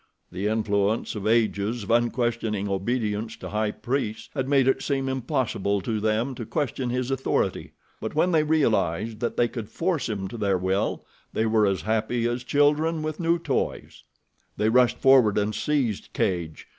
The influence of ages of unquestioning obedience to high priests had made it seem impossible to them to question his authority; but when they realized that they could force him to their will they were as happy as children with new toys. They rushed forward and seized Cadj.